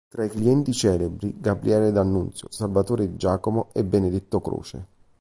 Tra i clienti celebri: Gabriele D'Annunzio, Salvatore Di Giacomo e Benedetto Croce.